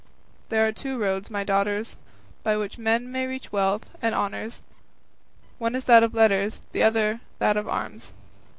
There are two roads, my daughters, by which men may reach wealth and honours; one is that of letters, the other that of arms.